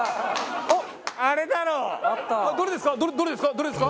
どれですか？